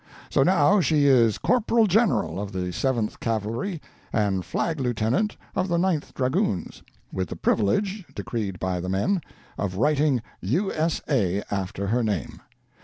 So now she is Corporal General of the Seventh Cavalry, and Flag Lieutenant of the Ninth Dragoons, with the privilege (decreed by the men) of writing U.S.A. after her name!